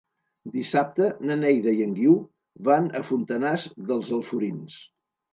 Dissabte na Neida i en Guiu van a Fontanars dels Alforins.